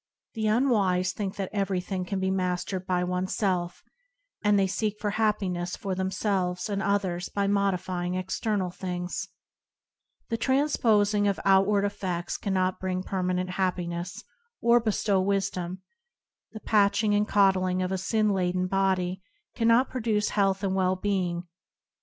The unwise think that everything [49 ] 99an: &mg of Si^mD can be mastered but oneself, and they seek for happiness for themselves and others by modifying external things. The transposing of outward effe&s cannot bring permanent happiness, or bestow wisdom; the patching and coddling of a sin laden body cannot produce health and well being.